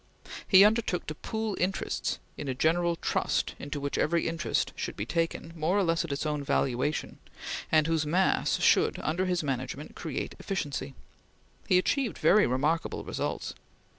He undertook to pool interests in a general trust into which every interest should be taken, more or less at its own valuation, and whose mass should, under his management, create efficiency. He achieved very remarkable results.